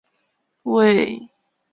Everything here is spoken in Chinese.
通常是美金做为单位。